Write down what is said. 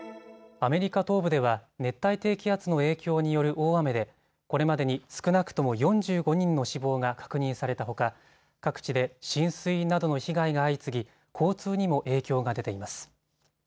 アメリカ東部では熱帯低気圧の影響による大雨でこれまでに少なくとも４５人の死亡が確認されたほか、各地で浸水などの被害が相次ぎ交通にも影響が出ています。